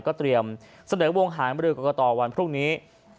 ก็เตรียมเสนอบวงหารณ์บริเวณกรกฎาคมวันพรุ่งนี้